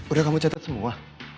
udah kamu catet semua